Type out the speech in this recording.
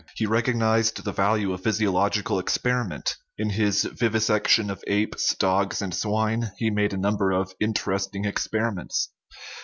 He recognized the value of physiological experiment ; in his vivisection of apes, dogs, and swine he made a number of interesting experiments.